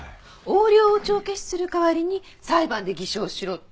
横領を帳消しする代わりに裁判で偽証しろ。